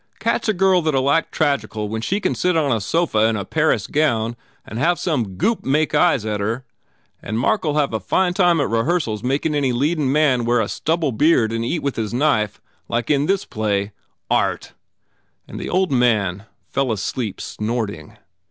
Catch a girl that ll act tragical when she can sit on a sofa in a Paris gown and have some goop make eyes at her! And Mark ll have a fine time at rehearsals makin any leadin man wear a stubble beard and eat with his knife, like in this play. Art!" and the old man fell asleep snorting.